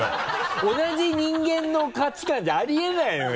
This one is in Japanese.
同じ人間の価値観じゃあり得ないのよ！